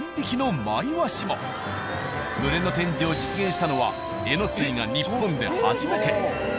群れの展示を実現したのはえのすいが日本で初めて。